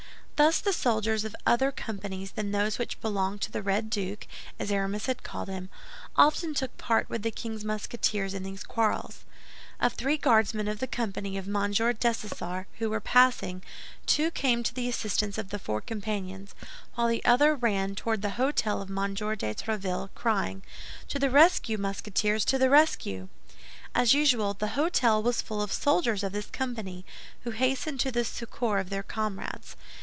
Thus the soldiers of other companies than those which belonged to the Red Duke, as Aramis had called him, often took part with the king's Musketeers in these quarrels. Of three Guardsmen of the company of M. Dessessart who were passing, two came to the assistance of the four companions, while the other ran toward the hôtel of M. de Tréville, crying, "To the rescue, Musketeers! To the rescue!" As usual, this hôtel was full of soldiers of this company, who hastened to the succor of their comrades.